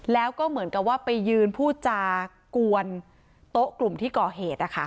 แล้วก็เหมือนกับว่าไปยืนพูดจากวนโต๊ะกลุ่มที่ก่อเหตุ